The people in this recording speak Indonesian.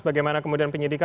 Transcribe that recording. bagaimana kemudian penyidik